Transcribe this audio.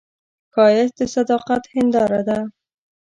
ښایست د صداقت هنداره ده